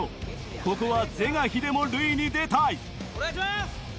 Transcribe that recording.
ここは是が非でも塁に出たいお願いします！